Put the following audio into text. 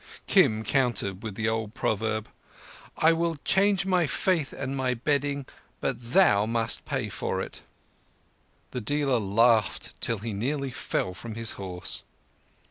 Kim countered with the old proverb, "I will change my faith and my bedding, but thou must pay for it." The dealer laughed till he nearly fell from his horse.